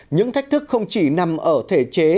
những thách thức không chỉ nằm ở thể chế